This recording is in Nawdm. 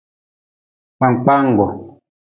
Kpangkpanggu.